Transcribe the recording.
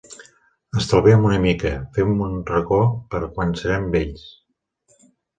Estalviem una mica: fem un racó per a quan serem vells.